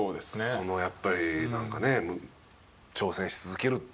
そのやっぱりなんかね挑戦し続ける事って。